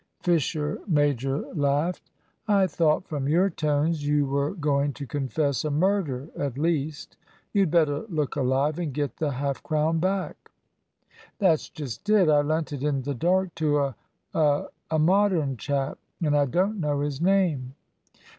Fisher major laughed. "I thought from your tones you were going to confess a murder, at least. You'd better look alive and get the half crown back." "That's just it. I lent it in the dark to a a Modern chap; and I don't know his name."